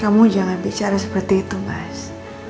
kamu jangan bicara seperti itu mas